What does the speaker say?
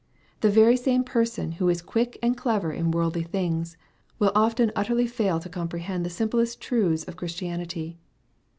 The very same person who is quick and clever in worldly things, will often utterly fail to comprehend the simplest truths of Christianity.